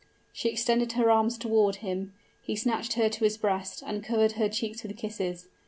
She extended her arms toward him he snatched her to his breast, and covered her cheeks with kisses.